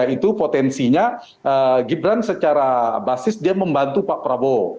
itu potensinya gibran secara basis dia membantu pak prabowo